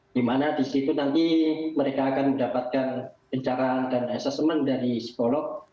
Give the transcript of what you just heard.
di mana di situ nanti mereka akan mendapatkan gencar dan assessment dari psikolog